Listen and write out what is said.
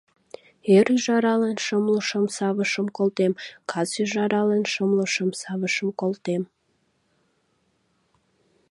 Эр ӱжаралан шымлу шым савышым колтем, кас ӱжаралан шымлу шым савышым колтем.